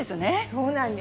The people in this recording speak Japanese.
そうなんです。